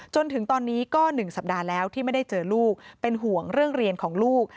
จนถึงตอนนี้ก็๑สัปดาห์แล้วที่ไม่ได้เจอลูกเป็นห่วงเรื่องเรียนของลูก